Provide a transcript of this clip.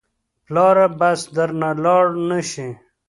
پلاره بس درنه لاړ نه شې.